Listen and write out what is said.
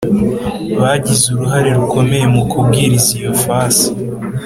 bagize uruhare rukomeye mu kubwiriza iyo fasi